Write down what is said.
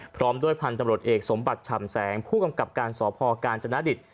พร้อมด้วยพันธบริกษ์เอกสมบัติชำแสงผู้กำกับการสอบพอการจนดิต